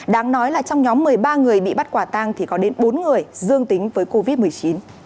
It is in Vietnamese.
đáng nói là trong nhóm một mươi ba người bị bắt quả tang thì có đến bốn người dương tính với covid một mươi chín